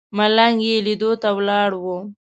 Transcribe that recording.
ملنګ یې لیدو ته ولاړ و.